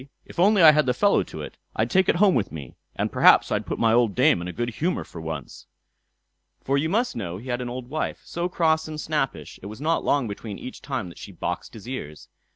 "If I only had the fellow to it, I'd take it home with me, and perhaps I'd put my old dame in a good humour for once." For you must know he had an old wife, so cross and snappish, it was not long between each time that she boxed his ears.